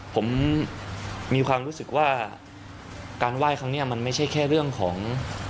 ผมมีความรู้สึกว่าการไหว้ครั้งนี้มันไม่ใช่แค่เรื่องของ